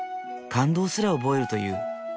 感動すら覚えるという。